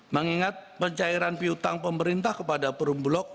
mengingat pencairan piutang pemerintah kepada perum bulog